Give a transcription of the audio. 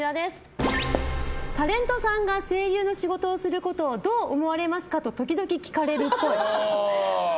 タレントさんが声優の仕事をすることをどう思われますか？と時々聞かれるっぽい。